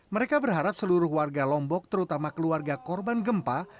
mereka berharap seluruh warga lombok terutama keluarga korban gempa